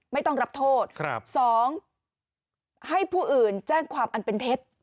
ไม่ต้องรับโทษ๒ให้ผู้อื่นแจ้งความอันเป็นเท็จ